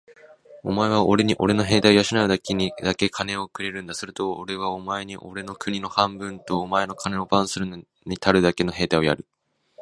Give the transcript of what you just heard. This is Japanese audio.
お前はおれにおれの兵隊を養うだけ金をくれるんだ。するとおれはお前におれの国を半分と、お前の金を番するのにたるだけの兵隊をやる。